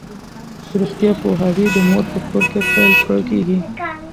د روغتیا پوهاوی د مور په کور کې پیل کیږي.